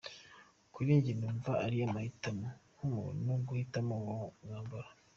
Kuri njye numva ari amahitamo y'umuntu guhitamo uwo mwambaro.